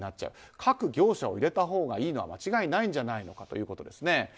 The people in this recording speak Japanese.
各業者を入れたほうがいいのは間違いないんじゃないのかということ。